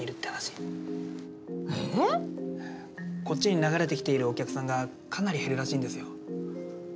こっちに流れてきているお客さんが、かなり減るらしいんですよ。